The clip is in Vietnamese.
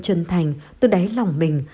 chân thành từ đáy lòng mình